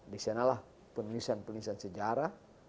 di sanalah penulisan penulisan sejarah